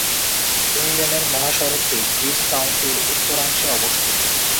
দুই-লেনের মহাসড়কটি গ্রিন কাউন্টির উত্তরাংশে অবস্থিত।